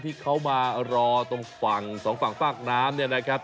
ที่เขามารอตรงฝั่งสองฝั่งฝากน้ำเนี่ยนะครับ